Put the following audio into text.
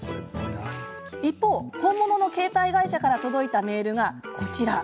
一方、本物の携帯会社から届いたメールがこちら。